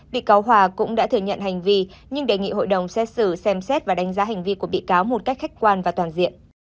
bị cáo hòa cũng đã thừa nhận hành vi nhưng đề nghị hội đồng xét xử xem xét và đánh giá hành vi của bị cáo một cách khách quan và toàn diện